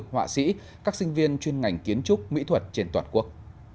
họa sĩ các sinh viên chuyên ngành kiến trúc mỹ thuật trên toàn quốc